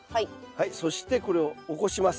はいそしてこれを起こします。